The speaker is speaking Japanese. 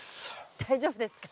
大丈夫ですか？